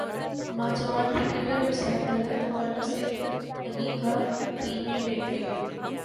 نوجوان کرکٹر حسین طلعت اور اصف علی کا ٹی میں ڈیبیو